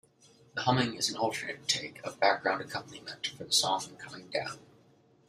The humming is an alternate take of background accompaniment for the song Coming Down.